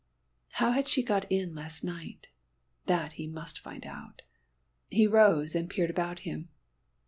How had she got in last night? That he must find out he rose, and peered about him.